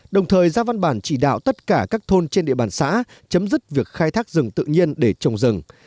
đồng thời ra văn bản chỉ đạo tất cả các thôn trên địa bàn xã chấm dứt việc khai thác rừng tự nhiên để trồng rừng